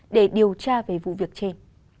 để điều tra về vụ việc trên